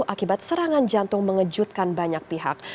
akibat serangan jantung mengejutkan banyak pihak